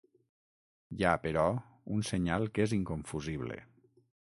Hi ha, però, un senyal que és inconfusible.